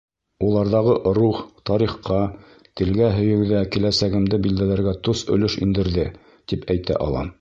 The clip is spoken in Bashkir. Уларҙағы рух, тарихҡа, телгә һөйөү ҙә киләсәгемде билдәләргә тос өлөш индерҙе, тип әйтә алам.